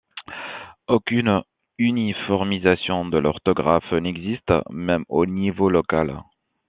Aucune uniformisation de l'orthographe n'existe, même au niveau local.